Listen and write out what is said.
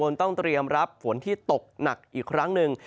ต้องเตรียมรับฝนที่ตกหนักอีกครั้งหนึ่ง